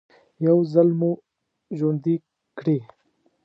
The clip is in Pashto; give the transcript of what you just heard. يو ځل مو ژوندي کړي.